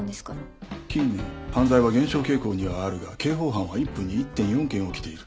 近年犯罪は減少傾向にはあるが刑法犯は１分に１．４件起きている。